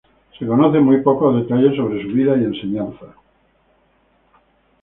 Se conocen muy pocos detalles sobre su vida y enseñanzas.